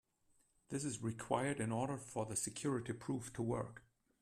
This is required in order for the security proof to work.